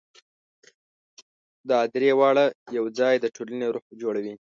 دا درې واړه یو ځای د ټولنې روح جوړوي.